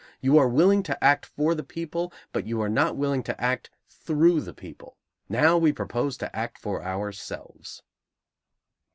You are willing to act for the people, but you are not willing to act through the people. Now we propose to act for ourselves."